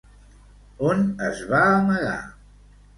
On es va amagar?